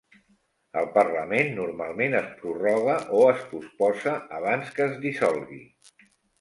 El parlament normalment es prorroga o es posposa abans que es dissolgui.